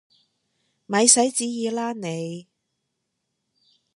咪使旨意喇你！